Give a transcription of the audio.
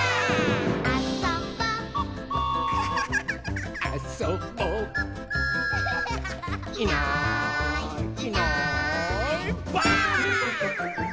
「あそぼ」「あそぼ」「いないいないばあっ！」